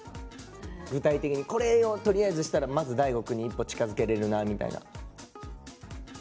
具体的にこれをとりあえずしたらまず大吾くんに一歩近づけれるなみたいな。